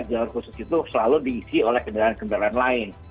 jalur khusus itu selalu diisi oleh kendaraan kendaraan lain